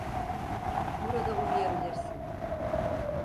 Burada uyuyabilirsin.